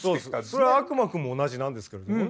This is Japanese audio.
それは「悪魔くん」も同じなんですけれどもね。